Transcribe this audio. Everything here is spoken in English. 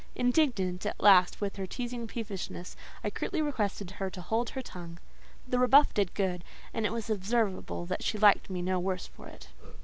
Indignant at last with her teasing peevishness, I curtly requested her "to hold her tongue." The rebuff did her good, and it was observable that she liked me no worse for it.